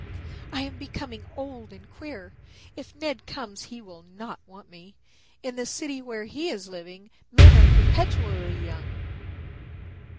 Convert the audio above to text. "I am becoming old and queer. If Ned comes he will not want me. In the city where he is living men are perpetually young.